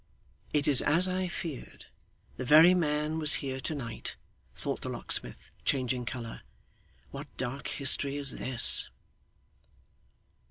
'It is as I feared. The very man was here to night,' thought the locksmith, changing colour. 'What dark history is this!